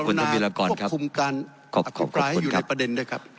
ขอร้อนาคมควบคุมการอัคโฟปรายให้อยู่ในประเด็นด้วยครับ